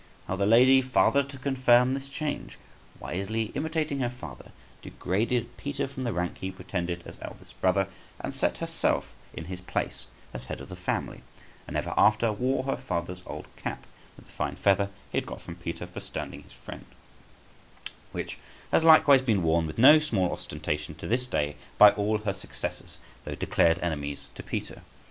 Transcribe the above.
How the lady, farther to confirm this change, wisely imitating her father, degraded Peter from the rank he pretended as eldest brother, and set up herself in his place as head of the family, and ever after wore her father's old cap with the fine feather he had got from Peter for standing his friend, which has likewise been worn with no small ostentation to this day by all her successors, though declared enemies to Peter.